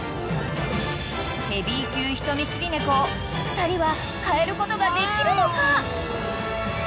［ヘビー級人見知り猫を２人は変えることができるのか］